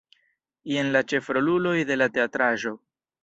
Jen la ĉefroluloj de la teatraĵo.